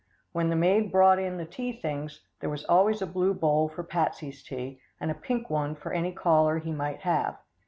When the maid brought in the tea things, there was always a blue bowl for Patsie's tea, and a pink one for any caller he might have.